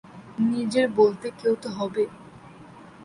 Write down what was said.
নিজের বলতে কেউ তো হবে।